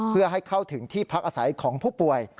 เพื่อให้เข้าถึงที่พักอาศัยของผู้ป่วย